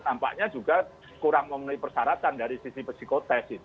tampaknya juga kurang memenuhi persyaratan dari sisi psikotest